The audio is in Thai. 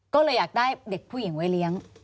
ก็เลยอยากได้เด็กผู้หญิงไว้เลี้ยง